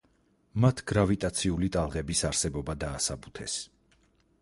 მათ გრავიტაციული ტალღების არსებობა დაასაბუთეს.